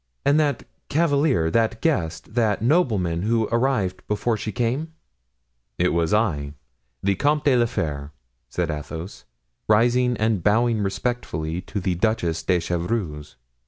"And that cavalier, that guest, that nobleman who arrived before she came?" "It was I, the Comte de la Fere," said Athos, rising and bowing respectfully to the Duchess de Chevreuse.